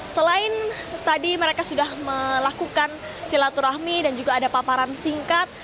selain tadi mereka sudah melakukan silaturahmi dan juga ada paparan singkat